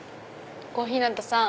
小日向さん。